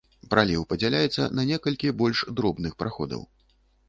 Праліў падзяляецца на некалькі больш дробных праходаў.